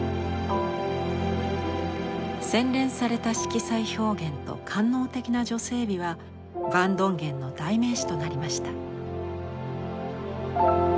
洗練された色彩表現と官能的な女性美はヴァン・ドンゲンの代名詞となりました。